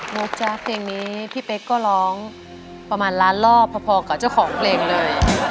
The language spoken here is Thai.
กจ๊ะเพลงนี้พี่เป๊กก็ร้องประมาณล้านรอบพอกับเจ้าของเพลงเลย